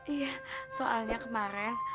iya soalnya kemarin